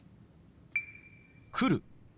「来る」。